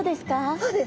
そうです。